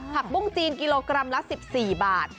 ปุ้งจีนกิโลกรัมละ๑๔บาท